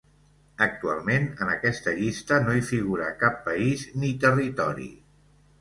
Actualment en aquesta llista no hi figura cap país ni territori.